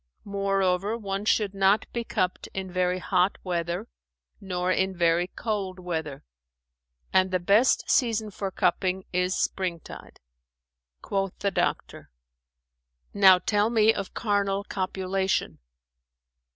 Moreover, one should not be cupped in very hot weather nor in very cold weather; and the best season for cupping is springtide." Quoth the doctor, "Now tell me of carnal copulation."